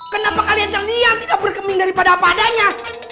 kenapa kalian terlihat tidak berkeming daripada apadanya